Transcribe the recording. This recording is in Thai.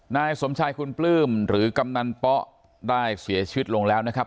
นายสมชายคุณปลื้มหรือกำนันป๊ะได้เสียชีวิตลงแล้วนะครับ